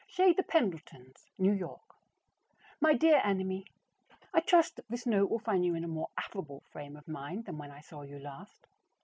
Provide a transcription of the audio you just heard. CHEZ THE PENDLETONS, New York. My dear Enemy: I trust that this note will find you in a more affable frame of mind than when I saw you last.